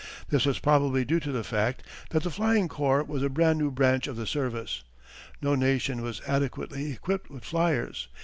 This was probably due to the fact that the flying corps was a brand new branch of the service. No nation was adequately equipped with flyers.